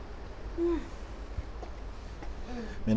うん。